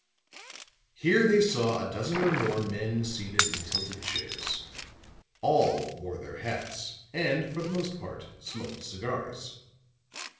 Here they saw a dozen or more men seated in tilted chairs; all wore their hats and for the most part smoked cigars.